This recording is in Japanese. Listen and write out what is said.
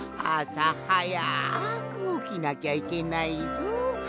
あさはやくおきなきゃいけないぞ。